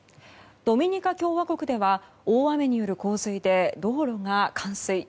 ドミニカ共和国では大雨による洪水で道路が冠水。